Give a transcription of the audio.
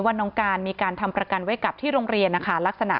น้องการมีการทำประกันไว้กับที่โรงเรียนนะคะลักษณะ